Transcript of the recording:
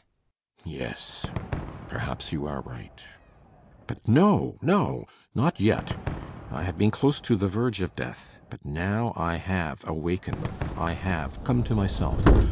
] Yes, perhaps you are right. [Firing up.] But no, no! Not yet! I have been close to the verge of death. But now I have awakened. I have come to myself.